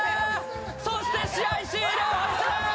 そして試合終了。